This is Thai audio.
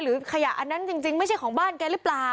ขยะอันนั้นจริงไม่ใช่ของบ้านแกหรือเปล่า